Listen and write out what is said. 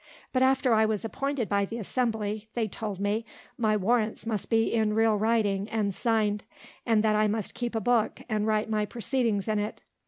But after I was appointed by the assembly, they told me, my warrants must be in real writing, and signed; and that I must keep a book, and write my proceedings in it.